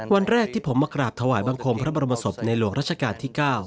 วันแรกที่ผมมากราบถวายบังคมพระบรมศพในหลวงรัชกาลที่๙